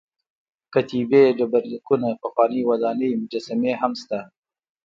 کتیبې ډبر لیکونه پخوانۍ ودانۍ مجسمې هم شته.